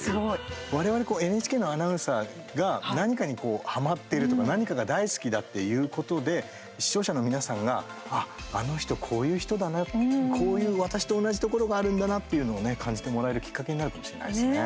我々ＮＨＫのアナウンサーが何かに、はまっているとか何かが大好きだっていうことで視聴者の皆さんがあの人こういう人だなこういう私と同じところがあるんだなっていうのを感じてもらえるきっかけになるかもしれないですね。